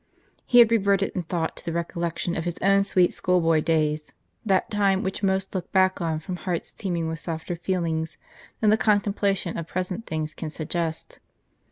He had reverted in thought to the recollection of his own sweet school boy days; that time which most look back on from hearts teeming with softer feelings than the contempla tion of present things can suggest.